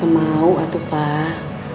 mau atau pak